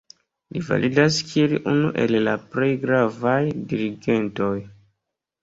Li validas kiel unu el la plej gravaj dirigentoj.